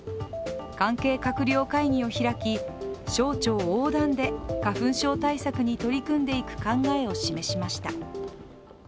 関係閣僚会議を開き、省庁横断で花粉症対策に取り組んでいく考えを示しました。